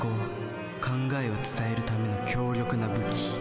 考えを伝えるための強力な武器。